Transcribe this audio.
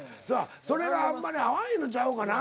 それがあんまり合わへんのちゃうかな。